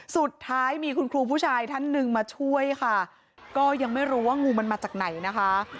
สุดท้ายมีคุณครูผู้ชายท่านหนึ่งมาช่วยค่ะก็ยังไม่รู้ว่างูมันมาจากไหนนะคะ